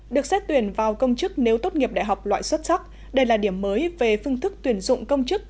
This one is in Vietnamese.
được xét tuyển vào công chức nếu tốt nghiệp đại học loại xuất sắc đây là điểm mới về phương thức tuyển dụng công chức